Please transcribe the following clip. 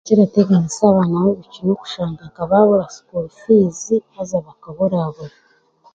kirateganisa abaana babaishiki n'okushanga nka baabura school fiizi haza bakaburaabura